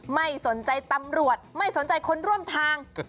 ไม่สนใจตำรวจไม่สนใจคนร่วมทาง